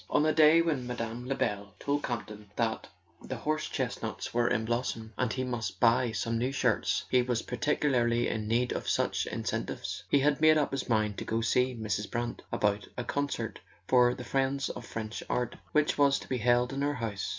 On the day when Mme. Lebel told Campton that the horse chestnuts were in blossom and he must buy some new shirts he was particularly in need of such incentives. He had made up his mind to go to see Mrs. Brant about a concert for "The Friends of French Art" which was to be held in her house.